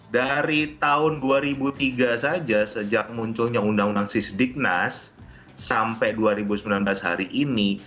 dari tahun dua ribu tiga saja sejak munculnya undang undang sisdiknas sampai dua ribu sembilan belas hari ini